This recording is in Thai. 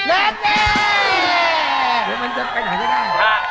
มันจะไปไหนที่แหน่ง